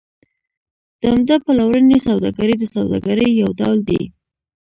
د عمده پلورنې سوداګري د سوداګرۍ یو ډول دی